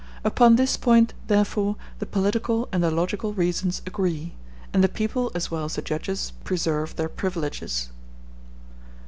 Upon this point, therefore, the political and the logical reasons agree, and the people as well as the judges preserve their privileges.